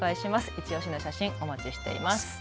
いちオシの写真お待ちしています。